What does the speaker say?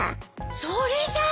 それじゃん！